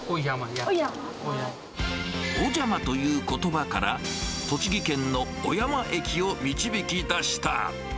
おじゃまということばから、栃木県の小山駅を導き出した。